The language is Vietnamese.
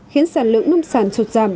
khiến sản lượng nông sản sụt giảm